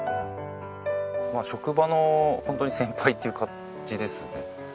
職場のホントに先輩っていう感じですね。